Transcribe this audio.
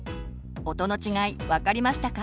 音の違い分かりましたか？